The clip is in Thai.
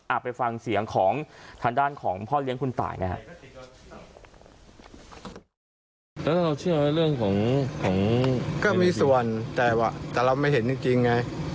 ไปฟังเสียงของทางด้านของพ่อเลี้ยงคุณตายนะฮะ